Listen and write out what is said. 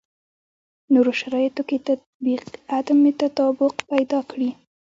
نورو شرایطو کې تطبیق عدم تطابق پیدا کړي.